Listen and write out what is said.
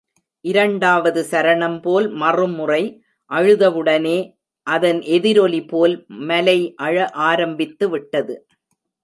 இரண்டாவது சரணம்போல் மறுமுறை அழுதவுடனே, அதன் எதிரொலிபோல் மலை அழ ஆரம்பித்துவிட்டது.